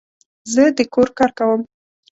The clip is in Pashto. زه د کور کار کوم